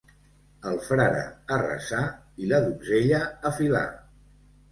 El frare a resar i la donzella a filar.